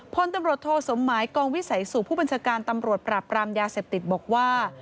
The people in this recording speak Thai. พลตำรวจโทสมหมายกองวิสัยสู่ผู้บัญชาการตำรวจปราบรามยาเสพติดบอกว่า